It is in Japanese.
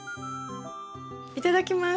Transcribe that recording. いただきます。